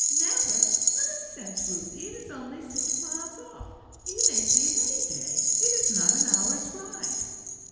"Never! Nonsense, Ruthie; it is only six miles off; you may see it any day. It is not an hour's ride."